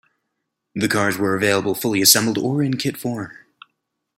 The cars were available fully assembled or in kit form.